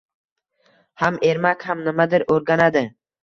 ham ermak, ham nimadir o‘rganadi.